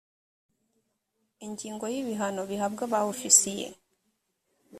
ingingo ya ibihano bihabwa ba ofisiye